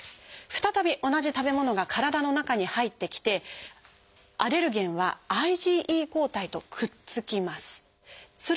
再び同じ食べ物が体の中に入ってきてアレルゲンはＩｇＥ抗体とくっつきます。